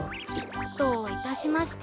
どういたしまして。